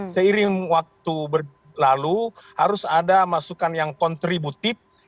seiring waktu berlalu harus ada masukan yang kontributif